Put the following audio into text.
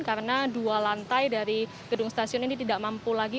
karena dua lantai dari gedung stasiun ini tidak mampu lagi